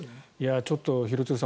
ちょっと廣津留さん